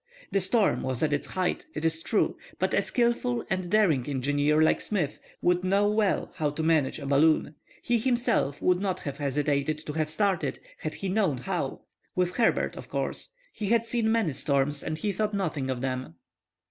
The storm was at its height, it is true; but a skilful and daring engineer like Smith would know well how to manage a balloon. He, himself, would not have hesitated to have started, had he known how—with Herbert, of course. He had seen many storms and he thought nothing of them.